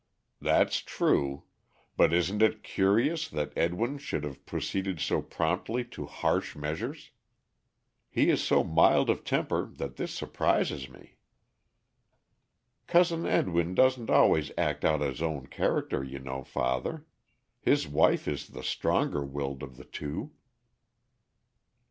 "That's true. But isn't it curious that Edwin should have proceeded so promptly to harsh measures? He is so mild of temper that this surprises me." "Cousin Edwin doesn't always act out his own character, you know, father. His wife is the stronger willed of the two."